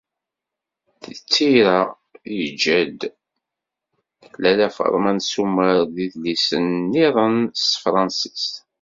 Di tira, yeǧǧa-d: Lalla Faḍma n Sumer d yidlisen-nniḍen s Tefransist.